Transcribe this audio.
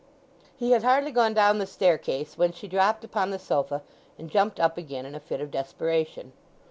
He had hardly gone down the staircase when she dropped upon the sofa and jumped up again in a fit of desperation.